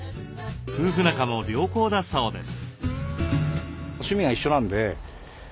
夫婦仲も良好だそうです。